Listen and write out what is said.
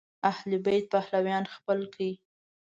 اهل بیت پلویان خپل کړي